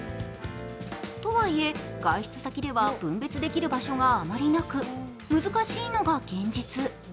とはいえ外出先では分別できる場所があまりなく難しいのが現実。